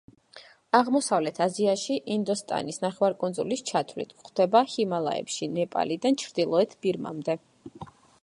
გავრცელებულია სამხრეთ-აღმოსავლეთ აზიაში ინდოსტანის ნახევარკუნძულის ჩათვლით; გვხვდება ჰიმალაებში, ნეპალიდან ჩრდილოეთ ბირმამდე.